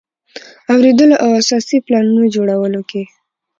اوریدلو او اساسي پلانونو د جوړولو کې.